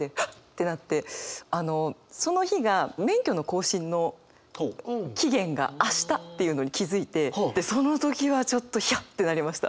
てなってあのその日が免許の更新の期限が明日っていうのに気付いてでその時はちょっとヒヤッてなりました。